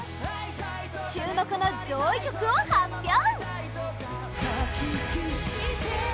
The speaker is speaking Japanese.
注目の上位曲を発表！